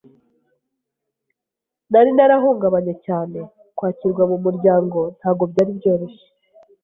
Nari narahungabanye cyane kwakirwa mu muryango ntago byari byoroshye,